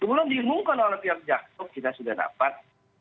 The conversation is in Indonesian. sebelum dimungkinkan oleh pihak jaktop kita sudah dapat